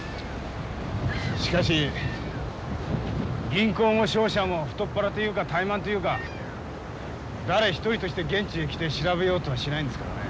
しかし銀行も商社も太っ腹というか怠慢というか誰一人として現地に来て調べようとはしないんですからね。